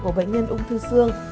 của bệnh nhân ung thư xương